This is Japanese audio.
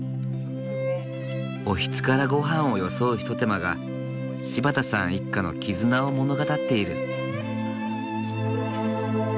おひつから御飯をよそう一手間が柴田さん一家の絆を物語っている。